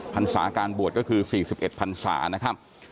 พรรษาการบวชก็คือ๔๑พันศานะครับ